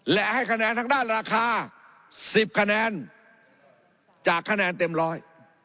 และให้คะแนนทางด้านราคา๑๐คะแนนจากคะแนนเต็มร้อย